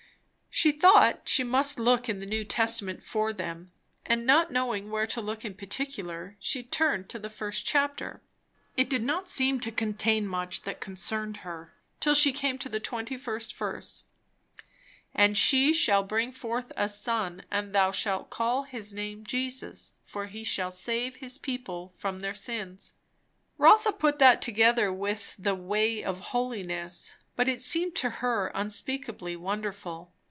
She thought she must look in the New Testament for them; and not knowing where to look in particular, she turned to the first chapter. It did not seem to contain much that concerned her, till she came to the 21st verse. "And she shall bring forth a son, and thou shalt call his name JESUS: for he shall save his people from their sins." Rotha put that together with the "way of holiness," but it seemed to her unspeakably wonderful.